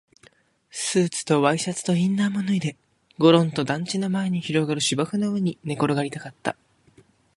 スーツとワイシャツとインナーも脱いで、ごろんと団地の前に広がる芝生の上に寝転がりたかった